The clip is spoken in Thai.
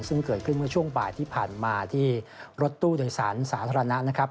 ซึ่งเกิดขึ้นเมื่อช่วงบ่ายที่ผ่านมาที่รถตู้โดยสารสาธารณะนะครับ